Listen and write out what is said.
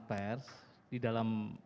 pers di dalam